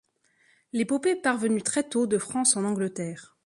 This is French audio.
L’épopée est parvenue très tôt de France en Angleterre.